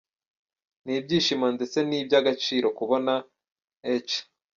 Ni ibyishimo ndetse ni ibyagaciro kubona H.